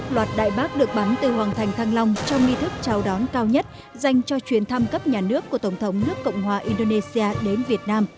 hai mươi một loạt đại bác được bắn từ hoàng thành thăng long trong nghi thức chào đón cao nhất dành cho chuyến tham cấp nhà nước của tổng thống nước cộng hòa indonesia đến việt nam